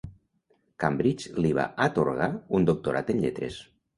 Cambridge li va atorgar un doctorat en lletres.